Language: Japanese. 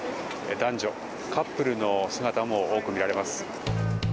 男女、カップルの姿も多く見られます。